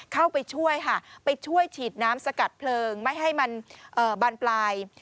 เข้าไปช่วยชีดน้ำสกัดเพลิงไม่ให้มันบานปลาย